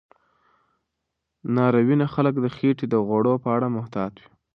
ناروینه خلک د خېټې د غوړو په اړه محتاط وي.